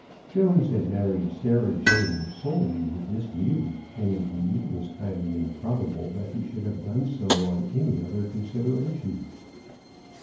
Jones had married Sarah Jane solely with this view; and, indeed, it was highly improbable that he should have done so on any other consideration.